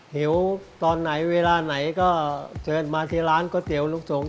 หิวเวลาไหนก็เจอมาที่ร้านก๋อเตี๋ยวลูกสงฆ์